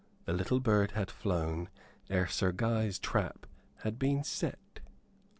The little bird had flown ere Sir Guy's trap had been set.